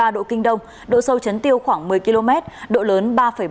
một trăm linh tám hai trăm tám mươi ba độ kinh đông độ sâu chấn tiêu khoảng một mươi km độ lớn ba bảy